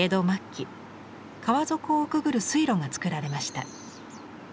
末期川底をくぐる水路がつくられました。